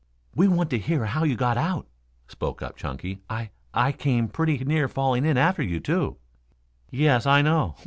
"We want to hear how you got out," spoke up Chunky. "I I came pretty near falling in after you, too." "Yes, I know.